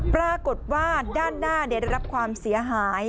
ปรากฏว่าด้านหน้าได้รับความเสียหาย